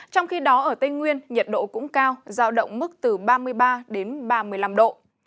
trong khi đó ở tây nguyên nhiệt độ cũng cao giao động mức từ ba mươi ba đến ba mươi năm độ